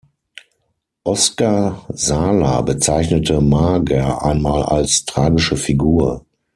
Oskar Sala bezeichnete Mager einmal als „tragische Figur“.